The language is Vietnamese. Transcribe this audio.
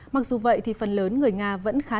mặc dù vậy phần lớn người nga vẫn không có thể tiêm phòng